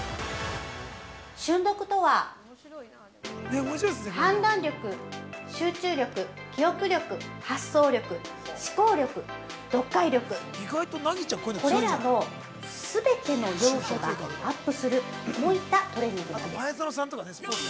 ◆瞬読とは、判断力、集中力、記憶力、発想力、思考力、読解力、これらの全ての要素がアップするこういったトレーニングなんです。